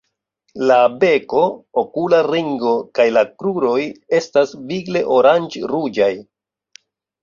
La beko, okula ringo kaj la kruroj estas vigle oranĝ-ruĝaj.